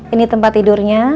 ini tempat tidurnya